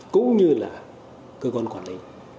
cũng như là cơ quan quản lý